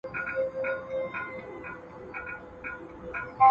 خپل وقار په بې نیازه ژوند کې وساته.